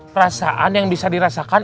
perasaan yang bisa dirasakan